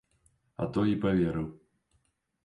А той і паверыў.